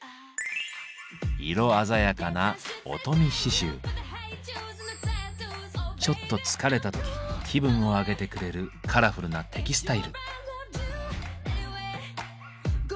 色鮮やかなちょっと疲れた時気分を上げてくれるカラフルなテキスタイル。